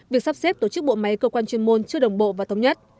việc sắp xếp tổ chức bộ máy cơ quan chuyên môn chưa đồng bộ và thống nhất